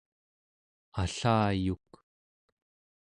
allayuk